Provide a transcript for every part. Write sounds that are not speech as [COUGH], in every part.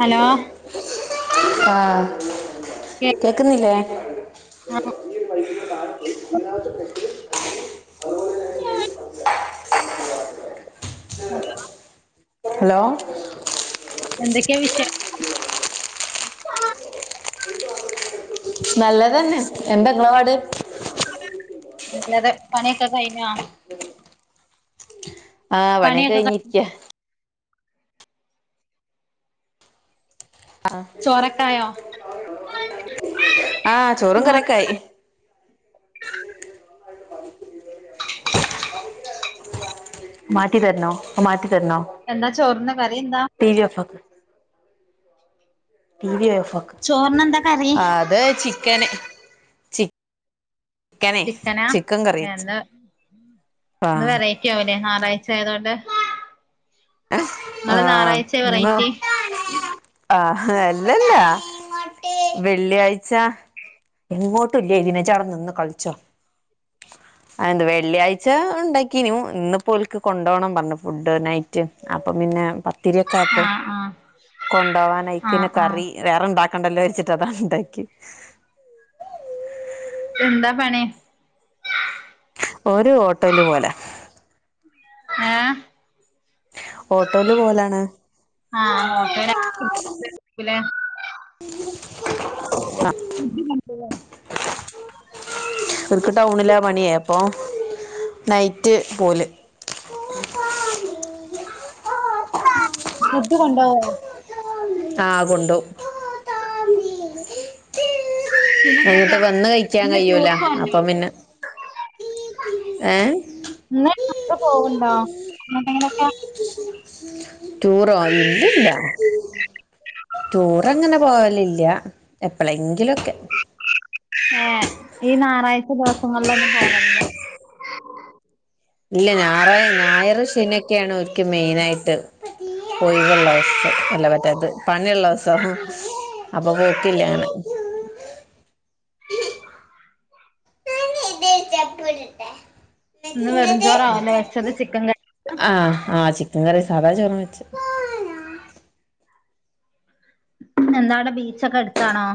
Hello [UNINTELLIGIBLE] ആഹ് കേ കേക്കുന്നില്ലേ? [UNINTELLIGIBLE] [UNINTELLIGIBLE] [UNINTELLIGIBLE] Hello hello. എന്തൊക്കെയാ വിശേഷം? നല്ലതെന്നെ എന്താ ഇങ്ങളെ പാട്? നല്ലത് പണിയൊക്കെ കഴിഞ്ഞോ ആഹ് പണിയൊക്കെ കഴിഞ്ഞിരിക്ക ആ ചോറൊക്കായോ ആഹ് ചോറും കറിയും ചോർ ഒക്കെ ആയി മാറ്റി തരണോ മാറ്റി തരണോ എന്താ ചോറിനു കറി എന്താ? ടീവി ഓഫ്‌ ആക്‌ ടീവി ഓഫാക്ക് ചോറിനെന്താ കറി അത് ചിക്കന് ചിക്കനെ ചിക്കനാ ചിക്കൻ കറി വെച്ച് ആഹ് ക്കെ ആവും ലെ ഞായറാഴ്ച ആയതുകൊണ്ട്. നിങ്ങള് ആഹ് ഞായറാഴ്ച ഇന്ന് വെറൈറ്റി. ആഹ് അല്ലല്ലാ വെള്ളിയാഴ്ച. എങ്ങോട്ടും ഇല്ലേ ഇതിന ഇജി അവടെ നിന്ന് കളിച്ചോ. അതന്ത് വെള്ളിയാഴ്ച ഉണ്ടാക്കീനു. ഇന്നിപ്പോ ഓൽക്ക് കൊണ്ടോണം പറഞ്ഞു ഫുഡ് നൈറ്റ്. റ്റ്, അപ്പൊ പിന്നെ പത്തിരി ഒക്കെ ആയപ്പോ ആഹ് ആഹ് കൊണ്ടോവാന് അയിക്ക്ന്നെ ആഹ് ആഹ് കറി വേറെണ്ടാക്കണ്ടല്ലോ വിചാരിച്ചിട്ട് അതാണ് ഇണ്ടാക്കിയത് എന്താ പണീ? ഓര് ഓട്ടോല് പോവലാ ഏഹ് ഓട്ടോയില് പോവലാണ് ആഹ [UNINTELLIGIBLE] ലെ [INAUDIBLE] [UNINTELLIGIBLE] ടൗണിലാണ് പണിയ അപ്പോൾ നൈറ്റ് പോല്. ഫുഡ്‌ കൊണ്ടോവോ? ആ കൊണ്ടോവും. പിന്നെന്തൊക്കെ അങ്ങട്ട് വന്ന് കഴിക്കാൻ ഇന്ന് ടൂർ കയൂല. പോവ്ണ്ടോ അപ്പൊ പിന്നെ, ഏ ഇപ്പൊ പോവോണ്ടോ എങ്ങടെങ്കി ലൊക്കെ? ടുറോ ഇല്ല ഇല്ല ടൂറങ്ങനെ പോവലില്ല എപ്പഴെങ്കിലുംക്കെ. ഏ ഈ ഞായറാഴ്ച ദിവസങ്ങളിലൊന്നും പോകല് ഇല്ല ഞാറാ ഞായർ ശെനിക്കെയ ആണ് ഒരിക്കു മെയിന ആയിട്ട്. ഒയിവുള്ളവസം. അല്ല മറ്റേത് പണിള്ളസം. [UNINTELLIGIBLE] പോക്കില്ല [UNINTELLIGIBLE] ഇന്ന് വെറുംചോറാവല്ലേ വെച്ചത് ചിക്കൻ കറി ആഹ് ആഹ് ചിക്കൻ കറി സാധാ ചോറും വെച്. എന്താ ടെ ബീച്ചൊക്കെ അടുത്താണോ?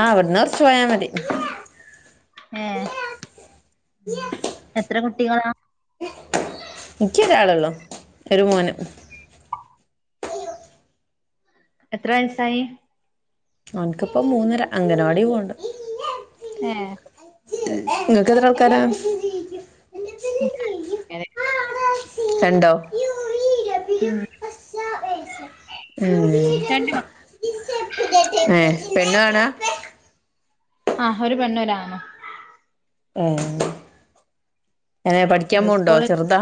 ആ അവിടുന്ന് കുറച്ച്പോയാ മതി. ഏഹ് എത്ര കുട്ടികളാ? എന്ക്കൊരാളൊള്ളൂ. ഒരു മോന്. എത്ര വയസ്സായി? അവക്ക്പ്പോ മൂന്നര, അംഗനവാടി പോവണ്ട്. ഏ നിങ്ങൾക്ക് എത്ര ആൾക്കാരാ? എനിക്ക് രണ്ടു കുട്ടികള്. രണ്ടോ? ഉം. ഉം. രണ്ട് മ ഏഹ് പെണ്ണാ ആണാ? ആഹ് ഒരു പെണ്ണ് ഒരു ആണ്. ഏഹ് ഇന്ന് സ്കൂള ചെറുതാ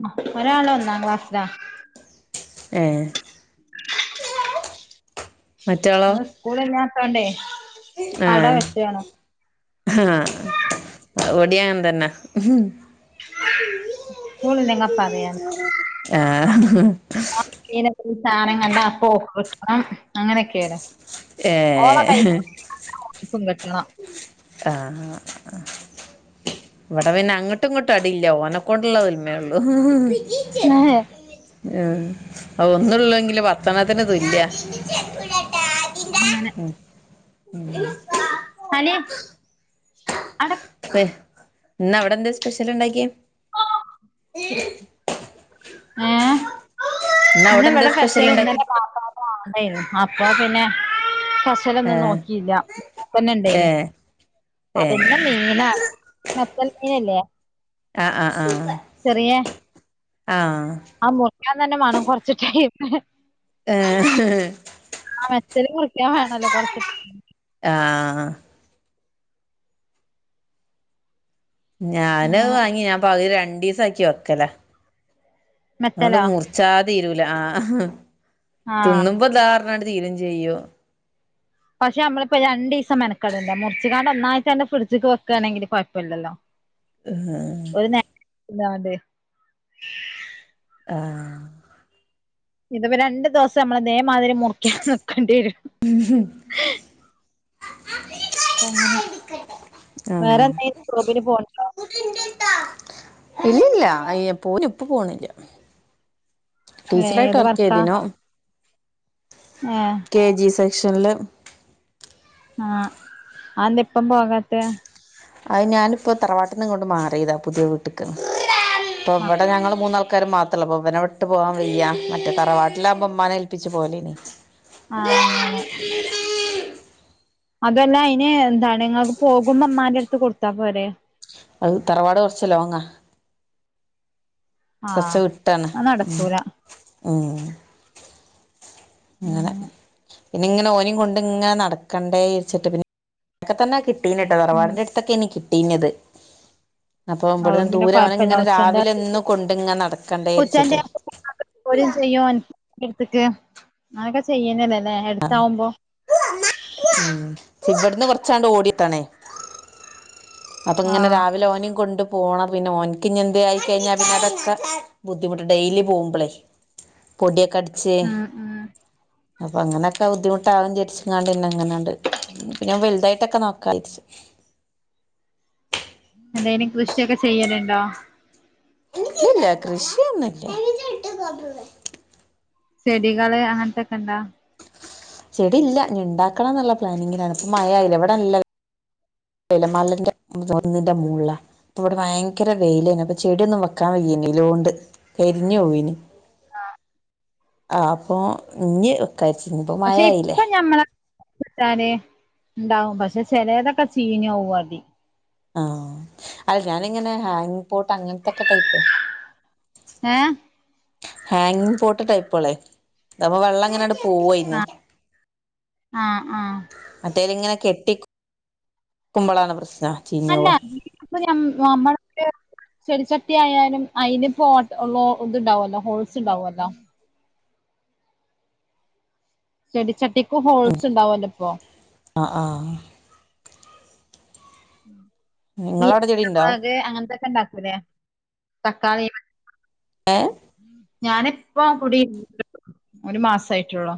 [UNINTELLIGIBLE] ഒരാള് ഒന്നാൻ ക്ലാസ്സിലാ. ഏഹ് [INAUDIBLE] മറ്റാളോ ഇന്ന് സ്കൂളില്ലാത്തോണ്ടേ പടവെട്ടേണ്. ആഹ ഇവിടിം അൻതന്നെ. സ്കൂൾ ഇല്ല്യങ്കിൽ പറയണ്ട. ഏഹ് ഓൻ [UNINTELLIGIBLE] സാനം കണ്ട അപ്പോ ഓൾക് കിട്ടണം. അങ്ങനെയൊക്കെണ്. ഏ ഓളെ കയ്യ് [UNINTELLIGIBLE] ഓന്ക്കും കിട്ടണം. ആഹ ആ. ഇവിടെ പിന്നെ അങ്ങോട്ടും ഇങ്ങോട്ടും അടിയില്ല. ഓനെക്കൊണ്ടുള്ള [UNINTELLIGIBLE] മേയുള്ളു. ഏഹ് ഒന്ന്ള്ളൂ എങ്കിലും പത്തണത്തിന് തുല്യ. അങ്ങനെ. ഉം. ഹ് ഇന്നവിടെന്താ സ്പെഷ്യൽ ഇണ്ടാക്കിയേ? [INAUDIBLE] ഏഹ്. ഇന്ന് ഇന്ന അവിടെ എന്താ ഇവിടെ സ്പെഷ്യൽ സ്പെഷ്യല് [UNINTELLIGIBLE] [UNINTELLIGIBLE] ഉണ്ടാക്കി ന്നു അപ്പൊ പിന്നെ ഫസ് ഏ റ്റലോന്നും നോക്കില്ല തന്നെ ഏ ഇണ്ടേനു അതന്നെ ഏ മീന തൽ മീനല്ലേ ആഹ് ആഹ് ആഹ് ചെറിയെ ആഹ് ആ മുക്കാൻ തന്നെ വേണം കൊറച്ച് ടൈം ഏ ആഹ് മെറ്റല് മുറിക്കാൻ വേണല്ലോ കൊറച്ച ആഹ് ഞാന് അങ്ങനെ വാങ്ങി ഞാൻ പക രണ്ടിസാക്കി വെക്കല അതൊണ്ട് മെത്തലോ മുറിച്ചാതീരുല ആഹ് ആഹ് തിന്നുമ്പോ ത അട് തീരം ചെയ്യോ പക്ഷെ നമ്മളിപ്പോ ര ദിവസ മെനക്കാടണ്ടണ്ട് മുറിച്ചുകാണ്ട് ഒന്നായിട്ട്ന്നെ ഫ്രിഡ്ജക്ക് വെക്കുണെങ്ക കുഴപ്പല്ലല്ലോ ആ ഒരുണ് [UNINTELLIGIBLE] ആ ഇത് രണ്ടു ദിവസം നമ്മള്തേമാതിരി മുറിക്ക നക്കേണ്ടി വരും എങ്ങനെ വേറെ ആഹ് എന്തായും സോബന് പോണ്ടോ ഇല്ലല്ല അ പോന് ഉപ്പ് പോണില്ല ടീച്ചറായിട്ട് ഏത് വർക്ക്യ്തിനോ ആ കെ ജി സെക്ഷനിൽ ആഹഅന്ത ഇപ്പം പോകാത്ത അ ഞാനിപ്പോ തറവാട്ടിൽ നിങ്ങ കൊണ്ട് മാറിയതാ പുതിയ അപ്പോ ആഹ് ഇവിടെ ഞങ്ങൾ മൂന്നാൾക്കാർ മാത്ര അത്ര ബനെ വിട്ട് പോകൻ വയ മറ്റേ തറവാട്ടില ആകുമ്പം മ്മാനെ ഏൽപ്പിച്ച പോലെ ഇനി ആ അങ്ങനെ അതെല്ല അയിന് എന്താണ് നിങ്ങൾക്ക് പോകുമ്പോ മ്മാന്റെ അടുത്ത് കൊടുത്താ പോരെ അത് തറവാട് കുറച്ച ലോങ്ങ കൊച്ച ആഹ് വിട്ടാണ് അത് ഉ നടക്കൂല ഉം ഇങ്ങനെ അങ്ങനെ പിന്നെ ഇങ്ങനെ ഓനും കൊണ്ട ഇങ്ങനെ നടക്കണ്ടേ ഇരിച്ചിട്ട് പിന്നെക്കെ തന്നെ കിട്ടീട്ടോ ഉം തറവാടിന്റെ അടുത്തൊക്കെ ഇനി കിട്ടീന്നത് അപ്പൊ അതോണ്ട് ഭടന്ന് പിന്നെ ദൂരെ ഓനെ കൊഴപ്പല്ല ഇങ്ങനെ ഉച്ചന്റെ രാവിലെന്നും കൊണ്ട ഇങ്ങന നടക്കണ്ടേ ഇരിച്ചട്ടേ പോലും ചെയ്യോടുക്ക് അങ്ങനൊക്കെ ചെയ്യുന്നല്ലേ അല്ലേ എടുത്താവുമ്പോ ഉ ഇവിടുന്ന് കൊറച്ചാണ്ട് ഓടട്ടാണേ അപ്പൊ ഇങ്ങനെ ആഹ് രാവിലെ ഓനും കൊണ്ട് പോണം പിന്നെ ഓൻക്ക് എന്ത് ആയിക്കഴിഞ്ഞാ പിന്നെ അതൊക്കെ ബുദ്ധിമുട്ട് ഡെയിലി പോവുമ്പളേ പൊടിയ കടിച്ച ഉം ഉം അപ്പൊ അങ്ങനെയൊക്കെ ബുദ്ധിമുട്ടാകുംചരിച്ച ഇങ്ങാണ്ട്ന്നെങ്ങനാണ്ട് പിന്ന ഞൻ വലുതായിട്ടൊക്കെ നോക്കാരിച് എന്തായാലും കൃഷിയൊക്കെ ചെയ്യാനുണ്ടോ ഇല്ല കൃഷിന്നക്ക ചെടികള് അങ്ങനത്തൊക്കെ ഉണ്ടാ ചെടി ഇല്ല ഞ ഇണ്ടാക്കണം എന്നുള്ള പ്ലാനിങ്ങിലാണ് ഇപ്പ മയ എവിടെല്ല എലമാലന്റെ ഒന്നിന്റെ മൂള ഇപ്പ ഇവിടെ ഭയങ്കര വെയിലേന്ന അപ്പൊ ചെടിയൊന്നും വെക്കാൻ വയ്യന ലോണ്ട് പരിഞ്ഞു പോയിന് ആ ആ അപ്പൊ ഇഞ് [UNINTELLIGIBLE] മഴ ആയില്ലേ കിട്ടാലേ ഇണ്ടാവും പക്ഷെ ചിലേതൊക്കെ ചീഞ്ഞോവും അതി ആഹ് അല്ല ഞാനിങ്ങനെ ഹാങ്ങിങ് പോട്ട് അങ്ങനത്തെക്കെ ടൈപ്പ്. ഏഹ് ഹാങ്ങിങ് പോട്ട് ടൈപ്പ്കളെ അപ്പ വെള്ള അങ്ങനെങ്ങട് പോവായിന്ന്, ആഹ് ആഹ് ആഹ് മറ്റേതിങ്ങനെ കെട്ടിക്‌ ക്കുമ്പോളാണ് പ്രശ്നം ചീഞ്ഞു അല്ല പോവാ [UNINTELLIGIBLE] ചെടിച്ചട്ടി ആയാലും അയിനിപ്പോ ഉള്ള ഇത്ണ്ടാവല്ലോ ഹോൾസ് ഉണ്ടാവുമല്ലോ ചെടിച്ചട്ടിക്കും ഹോൾസ് ഉണ്ടാവല്ലോ ഇപ്പൊ ആ ഹ് ആഹ് നിങ്ങളവിടെ ചെടി ഉണ്ടോ [UNINTELLIGIBLE] അങ്ങനത്തൊക്കെ ഇണ്ടാക്കൂല്ലേ തക്കാളി ഏഹ് ഞാനിപ്പം കുടിയിരുന്നിട്ട് ഒരു മാസയിട്ടെള്ളൂ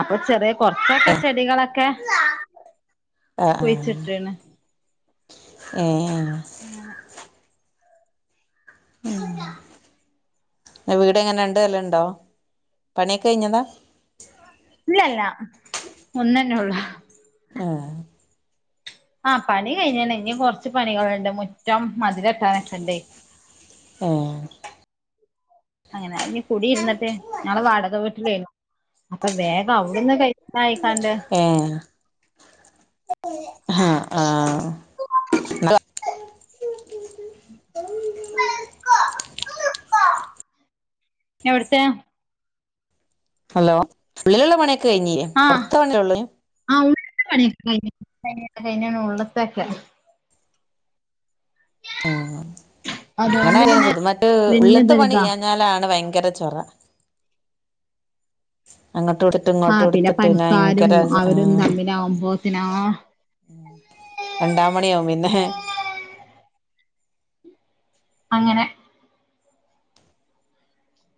അപ്പൊ ചെറിയ കൊറച്ചൊക്കെ ചെടികളൊക്കെ പോയിട്ട്ന് ഏഹ് അങ്ങനെ [INAUDIBLE] വീട് എങ്ങനെ ഉണ്ട് രണ്ട് നലഉണ്ടോ പണിയൊക്കെ കഴിഞ്ഞതാ ഇല്ലല്ല ഒന്ന്ന്നെ ഉള്ളൂ ആഹ് ആഹ് പണി കഴിഞ്ഞന്നെ ഇനി കുറച്ച് പണികൾണ്ട് മുറ്റം മതില്കട്ടാനൊക്കെ ഇണ്ടേ ഏഹ് അങ്ങനെ ഇ കുടി ഇരുന്നിട്ട് ഞങ്ങള് വാടക വീട്ടിലേനു അപ്പൊ വേഗം അവിടെന്ന് ക ഏഹ് ഹ ആഹ് [UNINTELLIGIBLE] [INAUDIBLE] എവിട്ത്തെ ഹലോ ഉള്ളിലുള്ള പണിയൊക്കെ കഴിഞ്ഞീല്ലേ ആഹ് പുറത്ത പണിളു ആഹ് ഉള്ളിലത്തെ പണിയൊക്കെ കഴിഞ്ഞ് [UNINTELLIGIBLE] ആഹ് അങ്ങനെ അതുകൊണ്ട് പിന്നെ [UNINTELLIGIBLE] ഉള്ളത്തെ പണി വല്യതൊരിതാ ചെയാഞ്ഞാലാണ് ഭയങ്കര ചൊറ അങ്ങോട്ട് എടുത്ത് ഇങ്ങോട്ട് ആഹ് എടുത്തിട്ട് പിന്നെ പണിക്കാരും ഭയങ്കര അവരും ആഹ്. തമ്മിലാവുമ്പോത്തിനാ രണ്ടാ മണിയാവും പിന്നെ അങ്ങനെ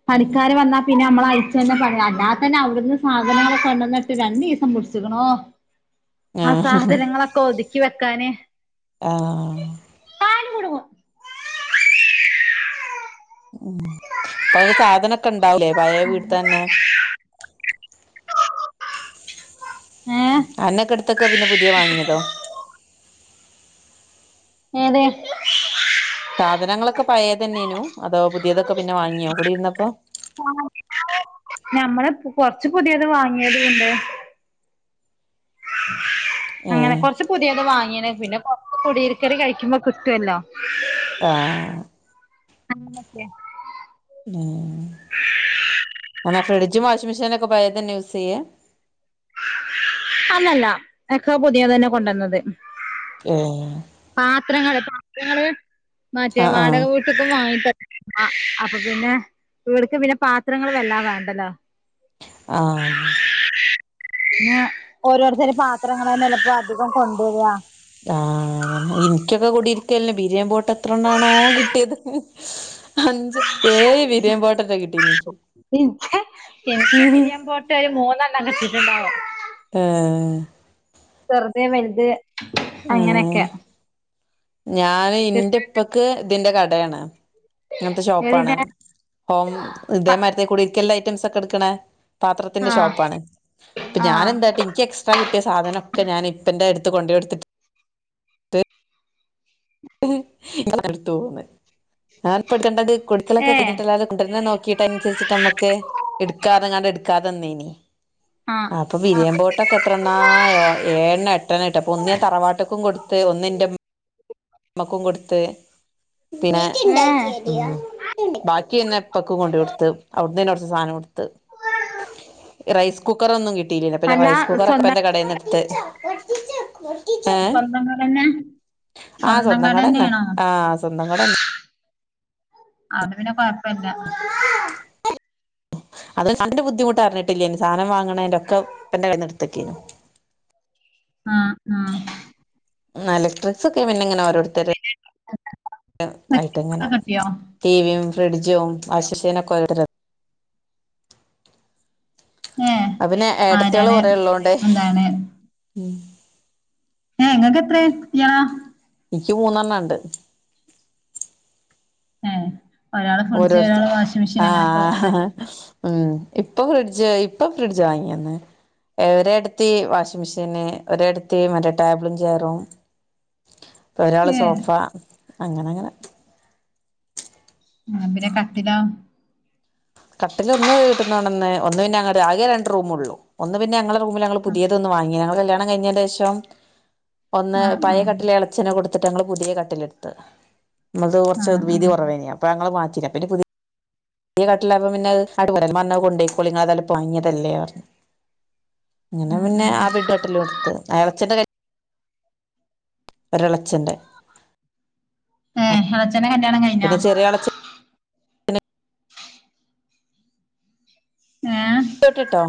പണിക്കാര് വന്നാൽ പിന്നെ നമ്മളയച്ചു തന്ന പടി അല്ലാത്തന്നെ അവിടുന്ന് സാധനങ്ങള കൊണ്ടന്നിട്ട് രണ്ടീസം പിടിച്ചിക്ക്ണോ ആ ആഹ് സാധനങ്ങളൊക്കെ ഒതുക്കി വെക്കാന് ആഹ് കാല് കുടുങ്ങും ആഹ് അപ്പൊ അ സാധനൊക്കെ ഉണ്ടാവില്ലേ പഴേ വീട്ടി തന്നെ ഏഹ് അന്നൊക്കെടുത്തൊക്കെ പിന്നെ പുതിയ വാങ്ങിയതോ ഏത് സാധനങ്ങളൊക്കെ പഴയേ തന്നെയനു അതോ പുതിയതൊക്കെ പിന്നെ വാങ്ങിയോ കൂടി ഇരുന്നപ്പോ ആഹ് ഞമ്മള് കൊറച്ച് പുതിയത് വാങ്ങിയത് ഉണ്ട് അങ്ങനെ ഏഹ് കൊറച്ച് പുതിയത് വാങ്ങിയിനു പിന്നെ കൊറച്ച് കുടിയിരിക്കല് കഴിക്കുമ്പോ കിട്ടുവല്ലോ ആഹ് അങ്ങനൊക്കെ ആഹ് എന്ന ഫ്രിഡ്ജും വാഷിംഗ് മെഷീനൊക്കെ പഴയത് തന്നെ യൂസ് ചെയ്യ? അല്ലല്ല ഒക്കെ പുതിയതന്നെ കൊണ്ടന്നത് ഏഹ് പാത്രങ്ങള് പാത്രങ്ങള് മാറ്റോ ആഹ് വാട ആഹ് വീ ക്കെ വാങ്ങി അപ്പൊ പിന്നെ ഇവട്ക്ക് പിന്നെ പാത്രങ്ങള് വല്ലാ വേണ്ടല്ലോ ആഹ് പിന്നെ ഓരോരുത്തരെ പാത്രങ്ങളെന്നെല്ലെ പ്പോ അധികം കൊണ്ടോവ്അ ആഹ് അതന്നെ ഇൻക്കൊക്കെ കൂടിയിരിക്കൽന് ബിരിയേൻ പോട്ട് എത്ര എണ്ണാണോ കിട്ടിയത് അഞ്ച് ഏഴ്‌ ബിരിയേം പോട്ടെറ്റെ കിട്ടിനിക്ക് ക്ക് ഒര് മൂന്നെണ്ണം കിട്ടിട്ട്ണ്ടാവും ഏഹ് ചെറുത് വെൽത് ആഹ് അങ്ങനെക്കെ ഞാന് ഇന്റെ ഇപ്പക്ക് ഇതിന്റെ കടയാണ് ഇങ്ങനത്തെ ഷോപ്പാണ്. ഏതിന്റെ ഹോം ഇതേ മാര്ത്തെ കൂടിര്ക്കൽ ഐറ്റംസ് ഒക്കെ ഇട്ക്ക്ണേ പാത്രത്തിന്റെ ആഹ് ഷോപ്പാണ് പ്പൊ ആഹ് ഞാനെന്താട്ടി ൻക്ക് എക്സ് ച്ച് ആ കിട്ടിയ സാധനൊക്കെ ഞാന് പ്പന്റെ അടുത്ത് കൊണ്ടോയോട്ത്തിട്ട് [UNINTELLIGIBLE] എടുത്ത് പോകുന്നെ ഞാനിപ്പോ എടുക്കേണ്ടത് കൊടിക്കലൊക്കെ ഏഹ് കഴിഞ്ഞിട്ടല്ലാതെ കൊണ്ടരുന്ന നോ ക്കീട്ടൻസര്ച്ച്ട്ട മ്മക്ക് ഇട്ക്കാറ്ഞ്ങ്ങാണ്ട് ഇടട്ക്കാതെന്നീനി അപ്പൊ ബിരിയേം ആഹ് പോട്ടൊക്കെ എത്രണ്ണാ എ എഴെണ്ണ എട്ട [UNINTELLIGIBLE] ഇട്ട് അപ്പൊന്ന് ഞാ തറവാട്ട്ക്കും കൊടുത്ത് ഒന്നിന്റെ മ്മ മ്മക്കും കൊടുത്ത് പിന്നെ ഏഹ് ബാക്കിപിന്നെ ഇപ്പക്കും കൊണ്ട് കൊടുത്ത് അവിടുന്നേന്നെ കൊർച് സാനോം ട്ത്ത് റൈസ് കുക്കറൊന്നും കിട്ടിയില്ലേയ്നി അപ്പൊ ഞാൻ അല്ല റൈസ് കുക്കർ ഒക്കെ സ്വന്തം ഇപ്പന്റെ കടേന്ന്ട്ത്ത് എഹ് സ്വന്തം കടന്നെ സ്വന്തം കട തന്നെ കടന്നെണോ ആ സ്വന്തം കട അഓണ്ട് പിന്നെ കൊഴപ്പല്ല തന്നെ അത് സാനത്തിന്റെ ബുദ്ധിമട്ട് അറിഞ്ഞിട്ടില്ലേയ്നി സാധനം വാങ്ങണേന്റൊക്കെ പ്പന്റെ കയ്യിന്ന് ഇട്ത്തക്കേയ്നു ആഹ് ആഹ് എലക്ട്രിക്സ് ഒക്കെ പിന്നെങ്ങനെ ഓരോരുത്തരു ആയിട്ട് അങ്ങനെ കിട്ടിയോ ടി വിയും, ഫ്രിഡ്ജും വാഷ്ശീനൊക്കെ ഓരോ ര്ത്തര് ഏഹ് അ പിന്നെ ഏടത്തിയോള് ആരാണ് കുറേ ഇള്ളോണ്ടേയ് എന്താണ് ഉം ഏഹ് ങ്ങക്കെത്ര ഏ ട്ട് ത്തിയാളാ ഇക്ക് മൂന്നെണ്ണം ണ്ട് ഏഹ് ഒരാള് ഫ്രിഡ്ജ് ഓരോരുത്ത ഒരാള് വാഷിംഗ് മെഷീൻ അങ്ങനൊക്കെ ആഹ് ഇതാക്കി ഉം ഇപ്പ ഫ്രിഡ്ജ് ഇപ്പ ഫ്രിഡ്ജ് വാങ്ങിയന്ന് ഒരേടത്തി വാഷിംമെഷീന് ഒരേടത്തി മറ്റേ ടേബ്ളും ചേയ്റും പ്പൊ ഒരാള് ഏഹ് സോഫ അങ്ങനെ അങ്ങനെ പിന്നെ കട്ടിലൊ കട്ടിൽ ഒന്ന് വീട്ട് ന്നൊണന്ന് ഒന്ന് പിന്നെ ഞടെ ആകേ രണ്ട് റൂമൊള്ളൂ ഒന്ന് പിന്നെ ഞങ്ങളെ റൂമിലങ്ങള് പുതീതൊന്ന് വാങ്ങി ഞങ്ങളെ കല്യാണം കഴിഞ്ഞിന്റെഷം ഒന്ന് ആ ആ ആ പഴയ കട്ടിലെള ച്ചന് കൊട്ത്തിട്ട് ഞങ്ങള് പുതിയ കട്ടിലെടുത്ത് മ്മൾത് ആ കൊർച് ത് ആ വീതി കൊറവേയ്നിം അപ്പൊ ങ്ങൾ മാറ്റീല പിന്നെ പുതി ട്ടിലാവുമ്പം പിന്നെ അ [UNINTELLIGIBLE] മ്മർഞ്ഞ് അത് കൊണ്ടെയ്ക്കോളി ങ്ങ തായാലും പ്പൊ വാങ്ങിയേതല്ലേ ർഞ്ഞ് അങ്ങനെ ഉം പിന്നെ ഉം ആ ബെഡ്ഡു കട്ടിലെട്ത്ത് എളച്ചന്റെ കല്യാണ ഒരെളച്ചന്റെ ഏഹ് എളച്ചന്റെ കല്യാണം കഴിഞ്ഞാ പിന്നെ ചെറിയ എളച്ചൻ ങ്ങേഹ് [UNINTELLIGIBLE] ട്ടോ